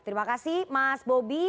terima kasih mas bobby